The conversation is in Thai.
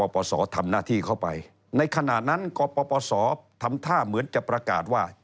โปรดติดตามต่อไป